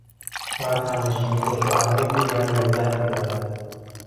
او از همنشینی با شعرای دیگر لذت میبرد.